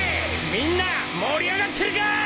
みんな盛り上がってるかい！